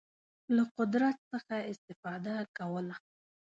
له قدرت څخه استفاده کوله.